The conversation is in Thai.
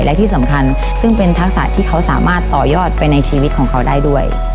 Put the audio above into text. และที่สำคัญซึ่งเป็นทักษะที่เขาสามารถต่อยอดไปในชีวิตของเขาได้ด้วย